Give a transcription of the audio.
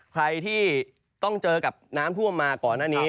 ใครที่ต้องเจอกับน้ำท่วมมาก่อนหน้านี้